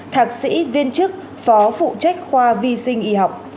thạc sĩ viên chức phó phụ trách khoa vi sinh y học